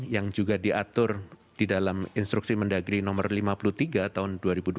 yang juga diatur di dalam instruksi mendagri no lima puluh tiga tahun dua ribu dua puluh